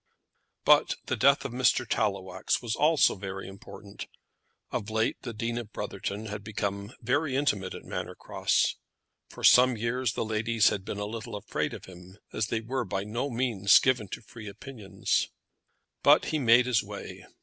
But the death of Mr. Tallowax was also very important. Of late the Dean of Brotherton had become very intimate at Manor Cross. For some years the ladies had been a little afraid of him, as they were by no means given to free opinions. But he made his way.